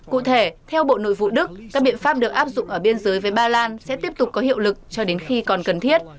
cụ thể theo bộ nội vụ đức các biện pháp được áp dụng ở biên giới với ba lan sẽ tiếp tục có hiệu lực cho đến khi còn cần thiết